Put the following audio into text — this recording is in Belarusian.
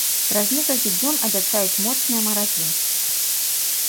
Праз некалькі дзён абяцаюць моцныя маразы.